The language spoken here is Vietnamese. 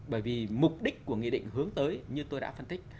bởi vì mục đích của nghị định hướng tới như tôi đã phân tích